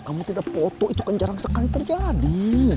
kamu tidak foto itu kan jarang sekali terjadi